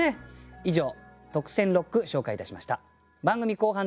以上特選六句紹介いたしました。